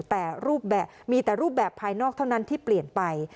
แต่รูปแบบมีแต่รูปแบบภายนอกเท่านั้นที่เปลี่ยนไป